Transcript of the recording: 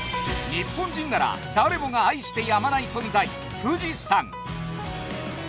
日本人なら誰もが愛してやまない存在